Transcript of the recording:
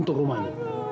bentuk rumah ini